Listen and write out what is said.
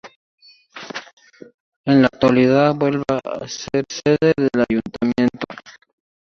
En la actualidad vuelve a ser sede del Ayuntamiento.